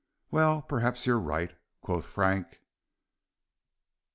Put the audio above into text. "Well, perhaps you are right," quoth Frank.